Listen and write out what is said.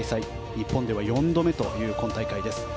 日本では４度目となる今大会です。